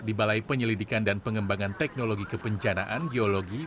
di balai penyelidikan dan pengembangan teknologi kepencanaan geologi